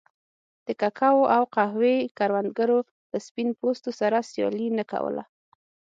د کوکو او قهوې کروندګرو له سپین پوستو سره سیالي نه کوله.